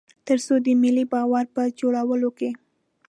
تر څو د ملي باور په جوړولو کې.